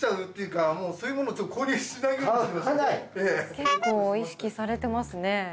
結構意識されてますね。